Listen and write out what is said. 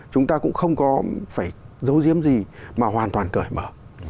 chúng ta cũng không có phải dấu diếm gì mà hoàn toàn cởi mở